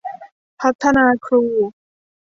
พัฒนาครู